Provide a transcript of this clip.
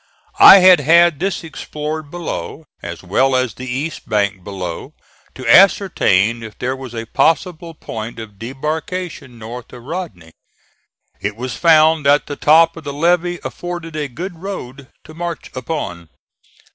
I had had this explored before, as well as the east bank below to ascertain if there was a possible point of debarkation north of Rodney. It was found that the top of the levee afforded a good road to march upon.